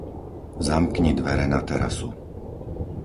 Zamkni dvere na terasu.